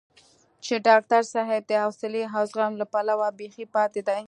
چې ډاکټر صاحب د حوصلې او زغم له پلوه بېخي پاتې دی.